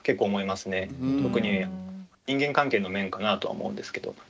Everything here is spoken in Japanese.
特に人間関係の面かなとは思うんですけど。